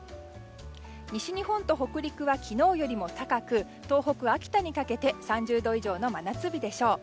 西日本と北陸は昨日よりも高く東北・秋田にかけて３０度以上の真夏日でしょう。